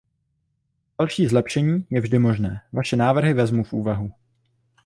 Další zlepšení je vždy možné; vaše návrhy vezmu v úvahu.